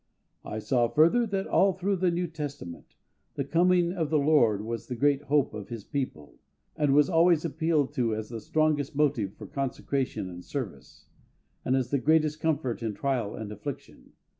I saw, further, that all through the New Testament the coming of the LORD was the great hope of His people, and was always appealed to as the strongest motive for consecration and service, and as the greatest comfort in trial and affliction.